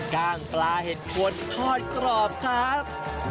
กล้างปลาเห็ดคนทอดกรอบครับ